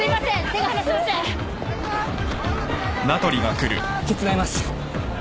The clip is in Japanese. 手伝います。